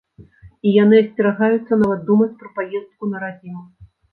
І яны асцерагаюцца нават думаць пра паездку на радзіму.